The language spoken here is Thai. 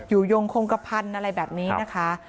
ยงคงกระพันธุ์อะไรแบบนี้นะคะ